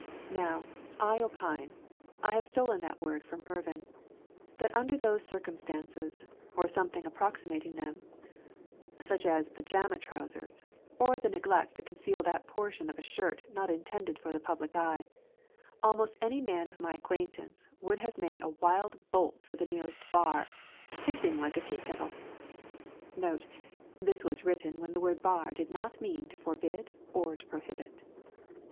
Now I opine (I have stolen that word from Irvin) that under those circumstances, or something approximating them, such as pajama trousers, or the neglect to conceal that portion of a shirt not intended for the public eye, almost any man of my acquaintance would have made a wild bolt for the nearest bar, hissing like a teakettle. Note: This was written when the word bar did not mean to forbid or to prohibit.